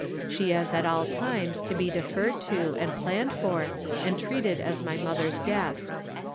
She is at all times to be deferred to, and planned for, and treated as my mother's guest.